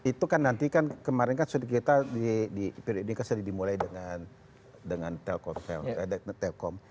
itu kan nanti kan kemarin kan kita di periodiknya dimulai dengan telkom